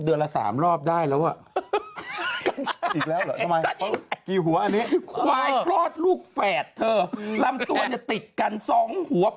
จริงจริงจริงจริง